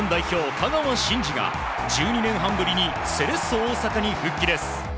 香川真司が１２年半ぶりにセレッソ大阪に復帰です。